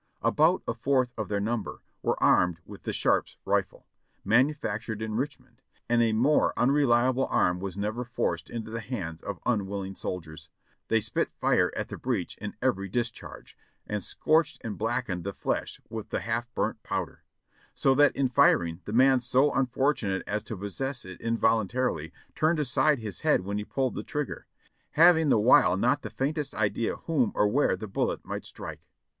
About a fourth of their num ber were armed with the Sharpe's rifle, manufactured in Rich mond, and a more unreliable arm was never forced into the hands of unwilling soldiers ; they spit fire at the breech in every dis charge, and scorched and blackened the flesh with the half burnt powder, so that in firing the man so unfortunate as to possess it involuntarily turned aside his head when he pulled the trigger, having the while not the faintest idea whom or where the bullet might strike.